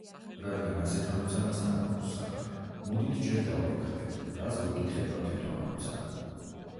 რადგან ასეთ ამოცანასთან გვაქვს საქმე, მოდით ჯერ დავფიქრდეთ რას გვეკითხება თვითონ ამოცანა.